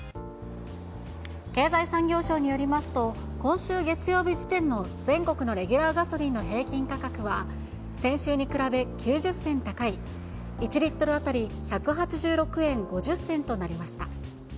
経済産業省によりますと、今週月曜日時点の全国のレギュラーガソリンの平均価格は、先週に比べ９０銭高い、１リットル当たり１８６円５０銭となりました。